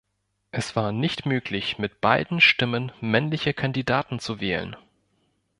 Es war nicht möglich, mit beiden Stimmen männliche Kandidaten zu wählen.